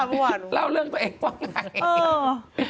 มาเล่าเรื่องตัวเองความเงิน